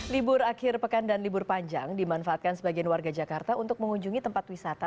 libur akhir pekan dan libur panjang dimanfaatkan sebagian warga jakarta untuk mengunjungi tempat wisata